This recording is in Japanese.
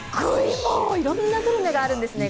いろんなグルメがあるんですね。